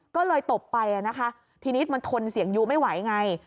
ก็เลยตบไปนะคะทีนี้มันทนเสียงยู้ไม่ไหวไง